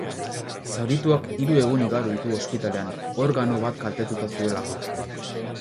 Zaurituak hiru egun igaro ditu ospitalean, organo bat kaltetuta zuelako.